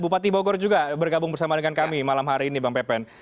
bupati bogor juga bergabung bersama dengan kami malam hari ini bang pepen